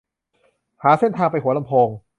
หาเส้นทางไปหัวลำโพง